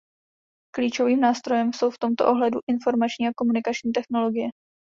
Klíčovým nástrojem jsou v tomto ohledu informační a komunikační technologie.